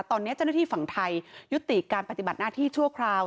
ตอนนี้เจ้าหน้าที่ฝั่งไทยยุติการปฏิบัติหน้าที่ชั่วคราว